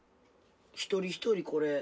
一人一人これ。